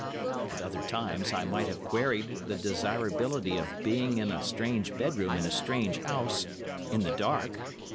At other times I might have queried the desirability of being in a strange bedroom in a strange house—in the dark.